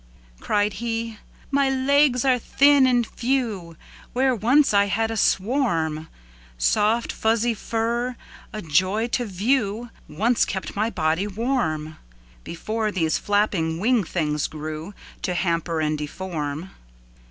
Cried he, "My legs are thin and fewWhere once I had a swarm! Soft fuzzy fur—a joy to view—Once kept my body warm, Before these flapping wing things grew, To hamper and deform!"